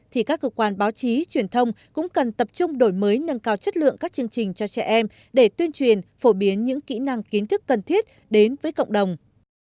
thì các cơ quan báo chí truyền thông cũng cần tập trung đổi mới nâng cao chất lượng các chương trình cho trẻ em để tuyên truyền phổ biến những kỹ năng kiến thức cần thiết đến với cộng đồng